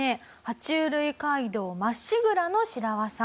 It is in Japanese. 爬虫類街道まっしぐらのシラワさん。